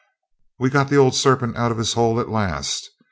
'We've got the ould sarpint out of his hole at last.'